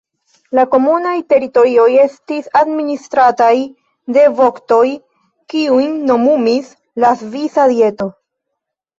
La komunaj teritorioj estis administrataj de voktoj, kiujn nomumis la Svisa Dieto.